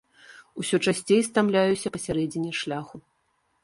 Усё часцей стамляюся пасярэдзіне шляху.